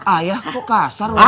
ayah kok kasar lu